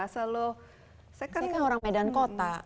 solo saya kan orang medan kota